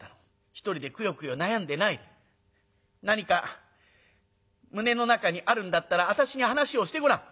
一人でくよくよ悩んでないで何か胸の中にあるんだったら私に話をしてごらん。